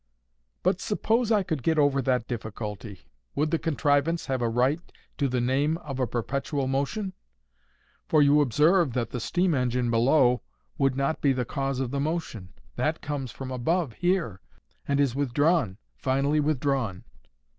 "But suppose I could get over that difficulty, would the contrivance have a right to the name of a perpetual motion? For you observe that the steam engine below would not be the cause of the motion. That comes from above, here, and is withdrawn, finally withdrawn."